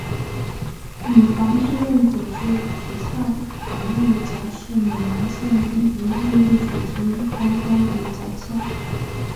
女皇志愿组织慈善服务奖是每年向英国义务组织颁发的奖项。